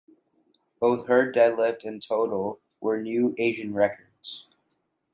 Both her Deadlift and Total were new Asian records.